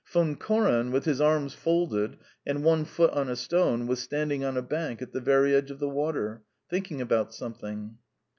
Von Koren, with his arms folded and one foot on a stone, was standing on a bank at the very edge of the water, thinking about something.